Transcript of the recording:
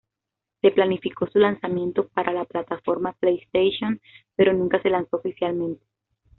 Se planificó su lanzamiento para la plataforma PlayStation, pero nunca se lanzó oficialmente.